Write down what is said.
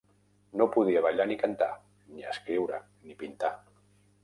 No podia ballar ni cantar, ni escriure ni pintar.